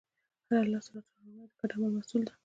هره لاستهراوړنه د ګډ عمل محصول ده.